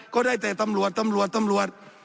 ก็ได้แต่ตำรวจตำรวจตำรวจ